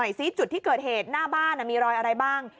ซิจุดที่เกิดเหตุหน้าบ้านมีรอยอะไรบ้าง